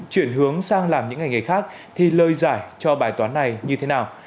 chuyển hướng sang làm những ngành nghề khác thì lời giải cho bài toán này như thế nào